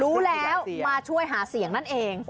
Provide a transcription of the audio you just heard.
รู้แล้วมาช่วยหาเสียงนั่นเอง